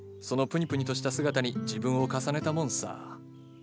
そのプニプニとした姿に自分を重ねたもんさ。